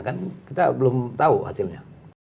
kan kita belum tahu hasilnya